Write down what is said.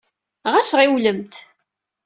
Ɣas ɣiwlemt.